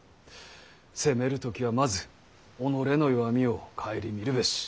攻める時はまず己の弱みを顧みるべし。